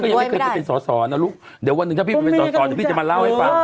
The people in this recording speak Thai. เดี๋ยววันหนึ่งถ้าพี่เป็นสอสรนะลูกเดี๋ยววันหนึ่งถ้าพี่เป็นสอสรเดี๋ยวพี่จะมาเล่าให้ป่ะ